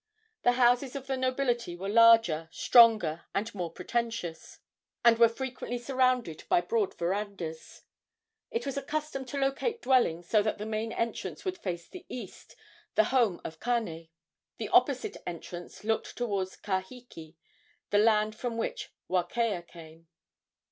The houses of the nobility were larger, stronger and more pretentious, and were frequently surrounded by broad verandas. It was a custom to locate dwellings so that the main entrance would face the east, the home of Kane. The opposite entrance looked toward Kahiki, the land from which Wakea came.